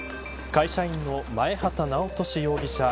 会社員の前畑直俊容疑者